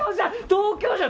東京じゃ！